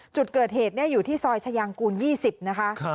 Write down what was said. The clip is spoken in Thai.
จุดเกิดเหตุอยู่ที่ซอยชายางกูล๒๐นะคะ